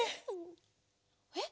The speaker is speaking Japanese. えっ！？